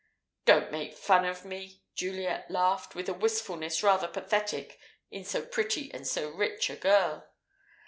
"Don't make fun of me," Juliet laughed, with a wistfulness rather pathetic in so pretty and so rich a girl.